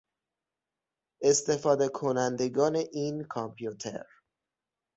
استفادهکنندگان این کامپیوتر